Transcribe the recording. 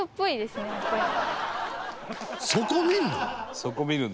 そこ見るの？